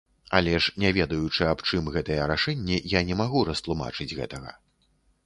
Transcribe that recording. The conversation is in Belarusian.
Але ж, не ведаючы, аб чым гэтыя рашэнні, я не магу растлумачыць гэтага.